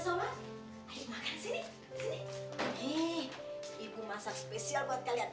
sama ibu masak spesial buat kalian